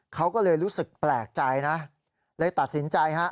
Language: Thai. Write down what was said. เขาก็เลยรู้สึกแปลกใจนะเลยตัดสินใจฮะ